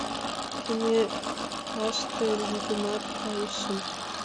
Кенеташте лӱдынат кайышым.